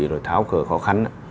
rồi tháo cờ khó khăn